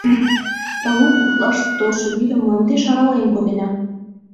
Талук гутлаште толшо вӱдым мландеш арален кодена!